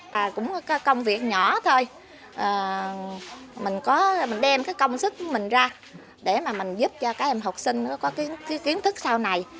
bà cũng có công việc nhỏ thôi mình đem công sức mình ra để mình giúp cho các em học sinh có kiến thức sau này